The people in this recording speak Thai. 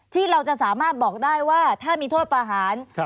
ที่เราจะสามารถบอกได้ว่าถ้ามีโทษประหาร